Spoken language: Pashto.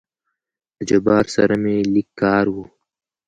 د جبار سره مې لېږ کار وو.